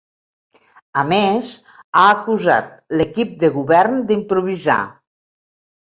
A més, ha acusat l’equip de govern d’improvisar.